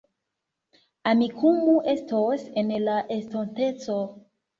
Amikumu estos en la estonteco